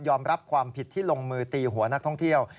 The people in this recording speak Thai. รับความผิดที่ลงมือตีหัวนักท่องเที่ยว